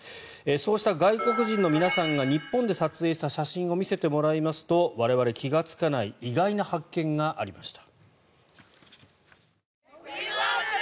そうした外国人の皆さんが日本で撮影した写真を見せてもらいますと我々が気がつかない意外な発見がありました。